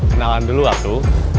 kenalan dulu aku